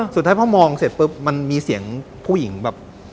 สุดท้ายพอมองเสร็จปุ๊บมันมีเสียงผู้หญิงแบบ